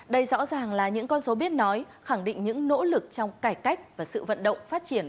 đây rõ ràng là những con số biết nói khẳng định những nỗ lực trong cải cách và sự vận động phát triển